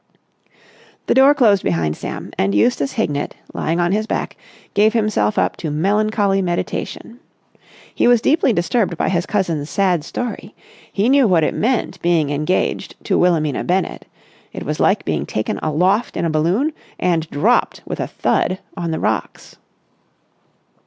The door closed behind Sam, and Eustace Hignett, lying on his back, gave himself up to melancholy meditation. He was deeply disturbed by his cousin's sad story. He knew what it meant being engaged to Wilhelmina Bennett. It was like being taken aloft in a balloon and dropped with a thud on the rocks.